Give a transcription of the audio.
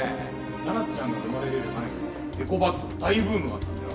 七瀬ちゃんが生まれるより前にもエコバッグの大ブームがあったんだよ。